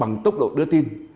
bằng tốc độ đưa tin